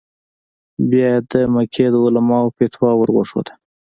بیا یې د مکې د علماوو فتوا ور وښوده.